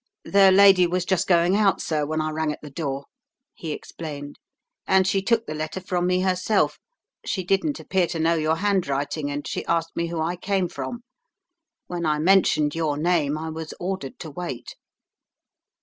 "The lady was just going out, sir, when I rang at the door," he explained, "and she took the letter from me herself. She didn't appear to know your handwriting, and she asked me who I came from. When I mentioned your name I was ordered to wait."